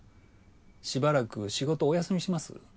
しばらく仕事お休みします？